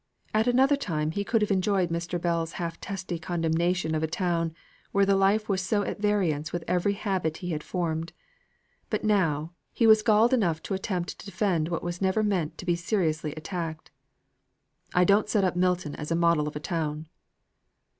At another time, he could have enjoyed Mr. Bell's half testy condemnation of a town where the life was so at variance with every habit he had formed; but now, he was galled enough to attempt to defend what was never meant to be seriously attacked. "I don't set up Milton as a model of a town."